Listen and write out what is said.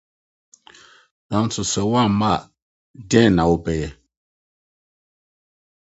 Nanso sɛ wamma a, dɛn na wobɛyɛ?